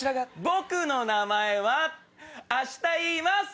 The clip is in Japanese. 僕の名前は明日言います。